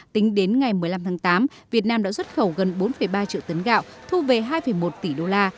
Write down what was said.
tính đến ngày một mươi năm tháng tám việt nam đã xuất khẩu gần bốn ba triệu tấn gạo thu về hai một tỷ đô la